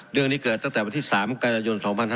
เรื่องนี้เกิดตั้งแต่วันที่๓กันยายน๒๕๕๙